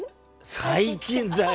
最近だよ。